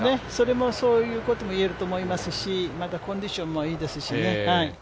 そういうこともいえると思いますしまたコンディションもいいですしね。